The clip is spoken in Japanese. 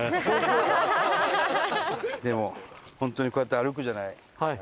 でも本当にこうやって歩くじゃない。